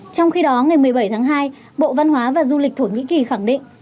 trong khi đó ngày một mươi bảy tháng hai bộ văn hóa và du lịch thổ nhĩ kỳ khẳng định